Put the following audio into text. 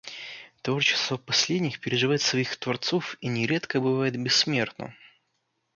Творчество последних переживает своих творцов и нередко бывает бессмертно.